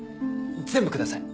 全部ください。